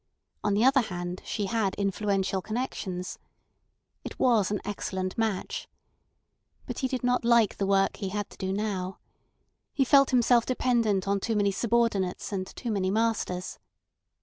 On the other hand, she had influential connections. It was an excellent match. But he did not like the work he had to do now. He felt himself dependent on too many subordinates and too many masters.